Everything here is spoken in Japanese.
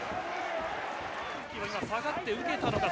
下がって受けたのか。